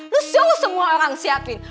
lo suruh semua orang siapin